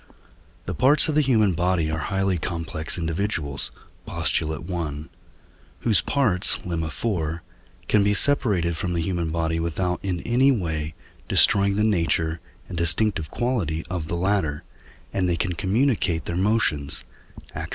The parts of the human body are highly complex individuals (Post. i.), whose parts (Lemma iv.) can be separated from the human body without in any way destroying the nature and distinctive quality of the latter, and they can communicate their motions (Ax.